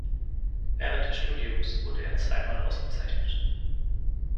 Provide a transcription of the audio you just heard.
Während des Studiums wurde er zweimal ausgezeichnet.